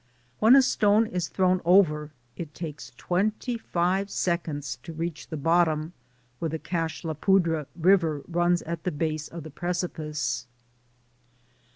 When a stone is thrown over, it takes it twenty five seconds to reach the bottom, where the Cache la Poudre River runs at the base of the precipice.